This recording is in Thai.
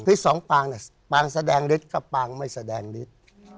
สองปางเนี่ยปางแสดงฤทธิ์ก็ปางไม่แสดงฤทธิ์